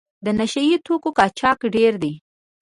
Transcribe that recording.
د نشه یي توکو قاچاق ډېر دی.